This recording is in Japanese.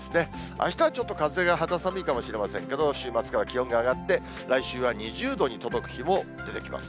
あしたはちょっと風が肌寒いかもしれませんけれども、週末から気温が上がって、来週は２０度に届く日も出てきます。